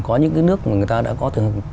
có những nước mà người ta đã có